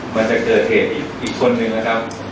มันจะเกิดเหตุอีกคนนึงนะครับ